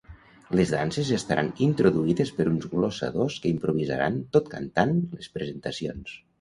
Les danses estaran introduïdes per uns glosadors que improvisaran, tot cantant, les presentacions.